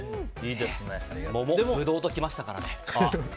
桃、ブドウと来ましたからね。